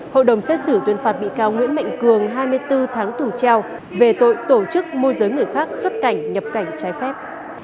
hội đồng xét xử tuyên phạt bị cáo nguyễn mạnh cường hai mươi bốn tháng tù treo về tội tổ chức môi giới người khác xuất cảnh nhập cảnh trái phép